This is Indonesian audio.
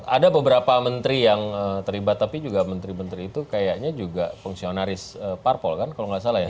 ada beberapa menteri yang terlibat tapi juga menteri menteri itu kayaknya juga fungsionaris parpol kan kalau nggak salah ya